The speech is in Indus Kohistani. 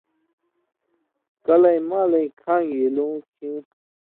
کلَیں مالَیں کھانگیۡ ایلُوں کھیں